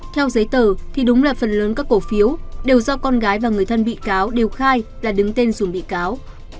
theo giấy tờ thì đúng là phần lớn các cổ phiếu đều do con gái và người thân bị cáo đều khai là đứng tên dùng bị cáo